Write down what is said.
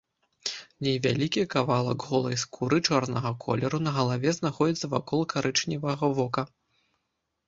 Невялікі кавалак голай скуры чорнага колеру на галаве знаходзіцца вакол карычневага вока.